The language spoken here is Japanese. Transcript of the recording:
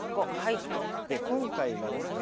で今回はですね